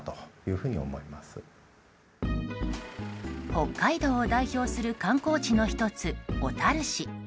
北海道を代表する観光地の１つ、小樽市。